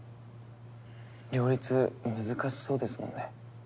両立難しそうですもんね。